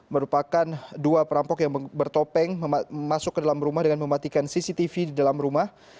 merupakan dua perampok yang bertopeng masuk ke dalam rumah dengan mematikan cctv di dalam rumah